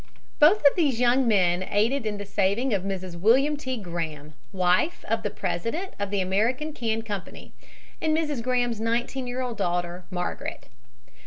Both of these young men aided in the saving of Mrs. William T. Graham, wife of the president of the American Can Company, and Mrs. Graham's nineteen year old daughter, Margaret.